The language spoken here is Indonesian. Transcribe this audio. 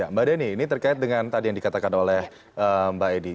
mbak denny ini terkait dengan tadi yang dikatakan oleh mbak edi